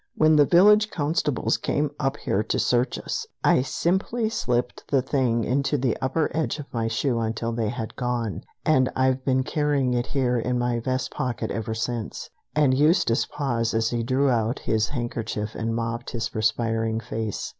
"When the village constables came up here to search us, I simply slipped the thing into the upper edge of my shoe until they had gone, and I've been carrying it here in my vest pocket ever since." And Eustace paused as he drew out his handkerchief and mopped his perspiring face.